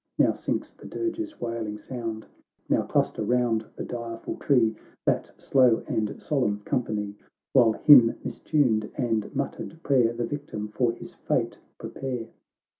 Now sinks the dirge's wailing sound, Now cluster round the direful tree That slow and solemn company, While hymn mistimed and muttered prayer The victim for his fate prepare.